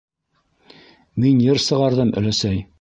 Мин йыр сығарҙым, өләсәй!